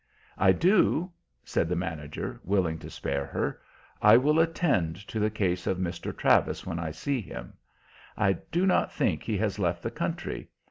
"I do," said the manager, willing to spare her. "I will attend to the case of Mr. Travis when I see him. I do not think he has left the country.